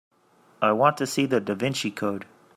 I want to see The Da Vinci Code